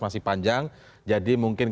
masih panjang jadi mungkin